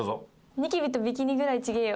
ニキビとビキニぐらい違えよ。